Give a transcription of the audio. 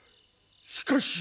しかし。